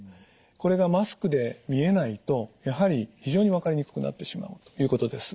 これがマスクで見えないとやはり非常に分かりにくくなってしまうということです。